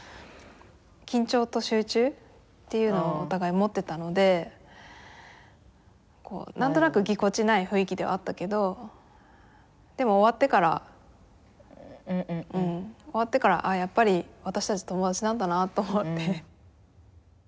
緊張と集中っていうのをお互い持ってたので何となくぎこちない雰囲気ではあったけどでも終わってからうん終わってから「あっやっぱり私たち友達なんだな」と思って。